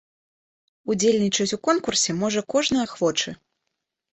Удзельнічаць у конкурсе можа кожны ахвочы.